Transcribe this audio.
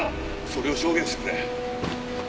それを証言してくれ。